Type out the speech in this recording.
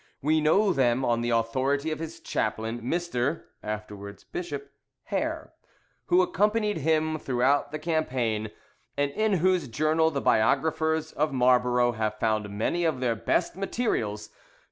We know them on the authority of his chaplain, Mr. (afterwards Bishop) Hare, who accompanied him throughout the campaign, and in whose journal the biographers of Marlborough have found many of their best materials.